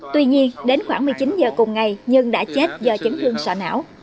tuy nhiên đến khoảng một mươi chín giờ cùng ngày nhân đã chết do chấn thương sợ não